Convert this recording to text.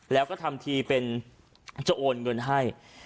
แล้วก็ทำทีเป็นจะโอนเงินให้